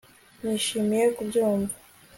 Nishimiye kubyumva